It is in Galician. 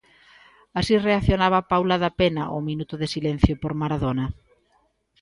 Así reaccionaba Paula Dapena ao minuto de silencio por Maradona.